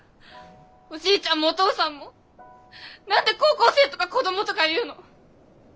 おじいちゃんもお父さんも何で高校生とか子供とか言うの！？